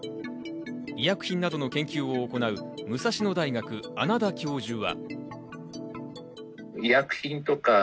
医薬品などの研究を行う武蔵野大学・穴田教授は。